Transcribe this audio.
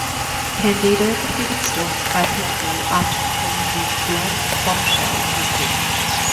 Candido defeated Storm by pinfall after performing the "Blonde Bombshell" on him.